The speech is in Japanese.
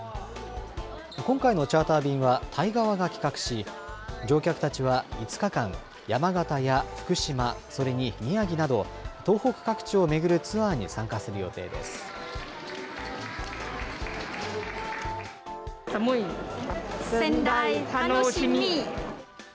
今回のチャーター便はタイ側が企画し、乗客たちは５日間、山形や福島、それに宮城など、東北各地を巡るツアーに参加する予定です。